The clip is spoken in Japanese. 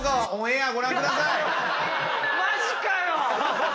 マジかよ！